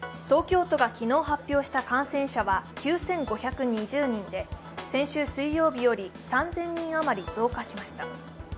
東京都が昨日発表した感染者は９５２０人で先週水曜日より３０００人余り増加しました。